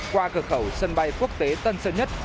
qua cửa khẩu sân bay quốc tế tân sơn nhất